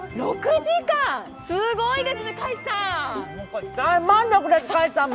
６時間、すごいですね、カイさん？